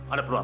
ada perlu apa